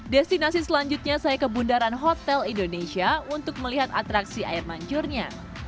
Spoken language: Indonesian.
destinasi selanjutnya saya ke bundaran hotel indonesia untuk melihat atraksi air mancurnya